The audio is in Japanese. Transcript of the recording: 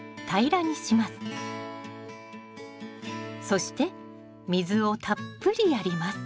そして水をたっぷりやります